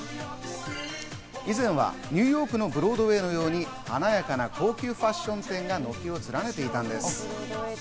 以前はニューヨークのブロードウェイのように華やかな高級ファッション店が軒を連ねていたんです。